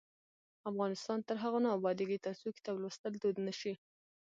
افغانستان تر هغو نه ابادیږي، ترڅو کتاب لوستل دود نشي.